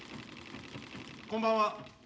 ・こんばんは。